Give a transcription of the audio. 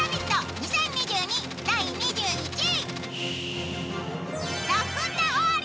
２０２２、第２１位。」